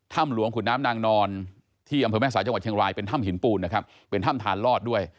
ถ้ำหลวงขุนน้ำนางนอนที่อำเภอแม่สายจังหวัดเชียงรายเป็นถ้ำหินปูนนะครับเป็นถ้ำทานลอดด้วย